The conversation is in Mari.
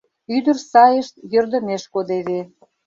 Ӱдыр сайышт йӧрдымеш кодеве.